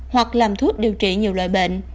hoặc làm thuốc điều trị nhiều loại bệnh